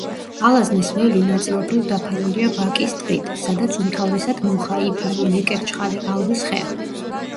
ალაზნის ველი ნაწილობრივ დაფარულია ვაკის ტყით, სადაც უმთავრესად მუხა, იფანი, ნეკერჩხალი, ალვის ხე.